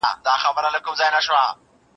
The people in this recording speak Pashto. موسيقي د زهشوم له خوا اورېدلې کيږي.